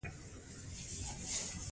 هېڅ انسان له بل انسان څخه ټیټ نه دی.